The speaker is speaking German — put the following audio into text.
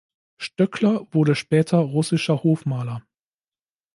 Stöckler wurde später russischer Hofmaler.